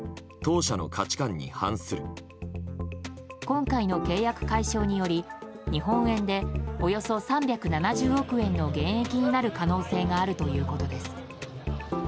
今回の契約解消により日本円でおよそ３７０億円の減益になる可能性があるということです。